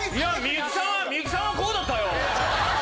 みゆきさんはこうだったよ！